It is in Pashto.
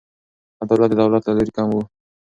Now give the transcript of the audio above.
عدالت د دولت له لوري کم و.